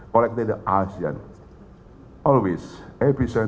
yang menyesuaikan semua variabel dan